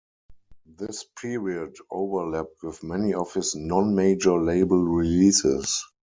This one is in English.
This period overlapped with many of his non-major-label releases.